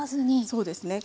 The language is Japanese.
そうですね。